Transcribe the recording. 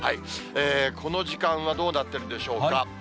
この時間はどうなってるでしょうか。